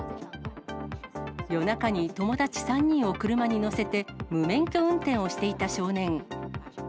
夜中に友達３人を車に乗せて、無免許運転をしていた少年。